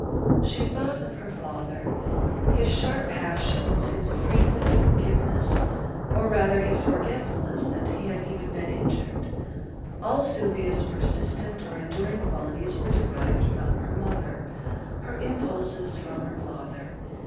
She thought of her father his sharp passions, his frequent forgiveness, or rather his forgetfulness that he had even been injured. All Sylvia's persistent or enduring qualities were derived from her mother, her impulses from her father.